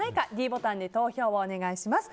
ｄボタンで投票をお願いします。